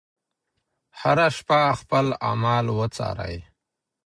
هره شپه خپل اعمال وڅارئ.